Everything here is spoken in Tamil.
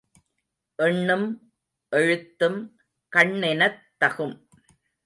எண்ணும் எழுத்தும் கண்ணெனத் தகும்.